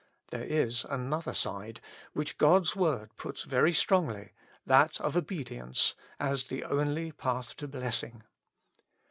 There is another side which God's word puts very strongly, that of obe dience, as the only path to blessing.